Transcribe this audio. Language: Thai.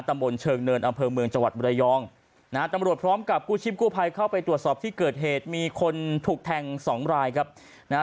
ตำบลเชิงเนินอำเภอเมืองจังหวัดบรยองนะฮะตำรวจพร้อมกับกู้ชีพกู้ภัยเข้าไปตรวจสอบที่เกิดเหตุมีคนถูกแทงสองรายครับนะฮะ